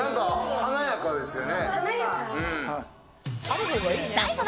華やかですよね。